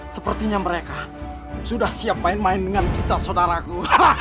sepertinya mereka sudah siap main main dengan kita saudaraku